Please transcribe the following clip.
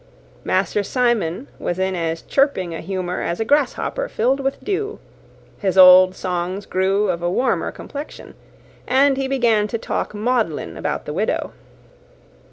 Master Simon was in as chirping a humour as a grasshopper filled with dew; his old songs grew of a warmer complexion, and he began to talk maudlin about the widow.